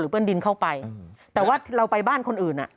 หรือเพื่อนดินเข้าไปแต่ว่าเราไปบ้านคนอื่น